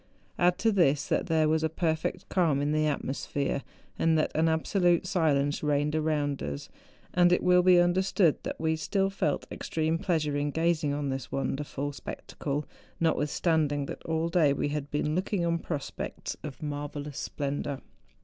Add to this, that there was a perfect calm in the atmosphere, and that an absolute silence reigned around us, and it will be understood that we still felt extreme pleasure in gazing on this wonder¬ ful spectacle, notwithstanding that all day we had been looking on prospects of marvellous splendour.